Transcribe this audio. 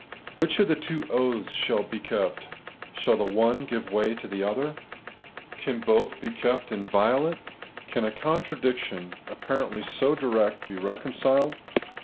Which of the two oaths shall be kept ? Shall the one give way to the other ? Can both be kept inviolate ? Can a contradiction, ap parently so direct, be reconciled?